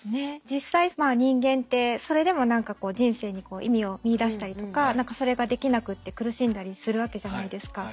実際人間ってそれでも何かこう人生に意味を見いだしたりとかそれができなくて苦しんだりするわけじゃないですか。